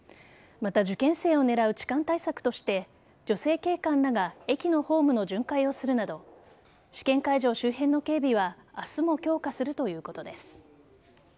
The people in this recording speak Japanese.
また、受験生を狙う痴漢対策として女性警官らが駅のホームの巡回をするなど試験会場周辺の警備は明日も強化するということです。